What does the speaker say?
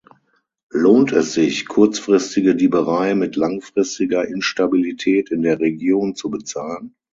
Lohnt es sich, kurzfristige Dieberei mit langfristiger Instabilität in der Region zu bezahlen?